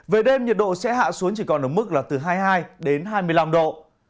về đêm nhiệt độ sẽ hạ xuống chỉ còn ở mức hai mươi hai hai mươi năm độ